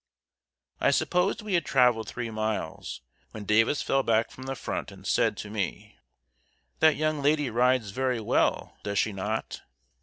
] I supposed we had traveled three miles, when Davis fell back from the front, and said to me: "That young lady rides very well, does she not?"